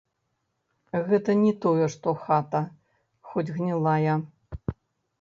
Гэта ні тое што хата, хоць гнілая.